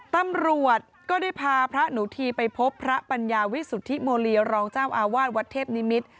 ตำรวจก็ได้พาพระหนูทีไปพบพระปัญญาวิสุทธิโมลีรองเจ้าอาวาสวัดเทพนิมิตร